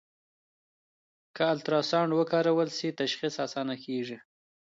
که الټراساؤنډ وکارول شي، تشخیص اسانه کېږي.